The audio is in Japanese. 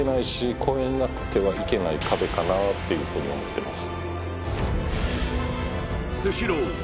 壁かなっていうふうに思ってます